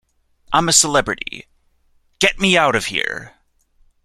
I'm a Celebrity...Get Me Out of Here!